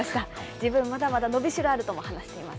自分、まだまだ伸びしろあるとも話しています。